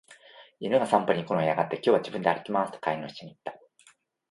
犬が散歩に行くのを嫌がって、「今日は自分で歩きます」と飼い主に言った。